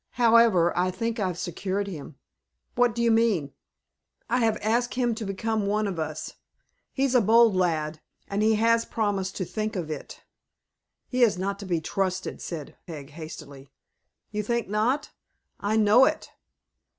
However, I think I've secured him." "What do you mean?" "I have asked him to become one of us, he's a bold lad, and he has promised to think of it." "He is not to be trusted," said Peg, hastily. "You think not?" "I know it."